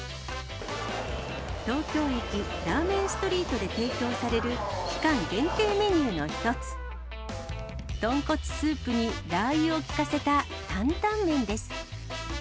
東京駅ラーメンストリートで提供される期間限定メニューの一つ、とんこつスープにラー油を効かせた担々麺です。